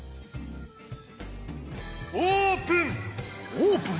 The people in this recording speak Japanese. オープン！